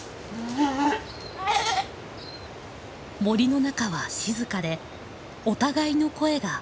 ・森の中は静かでお互いの声がよく聞こえます。